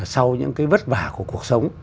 sau những cái vất vả của cuộc sống